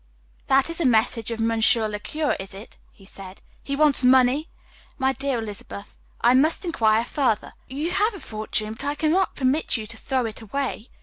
"That is the message of monsieur le curé, is it?" he said. "He wants money! My dear Elizabeth, I must inquire further. You have a fortune, but I cannot permit you to throw it away.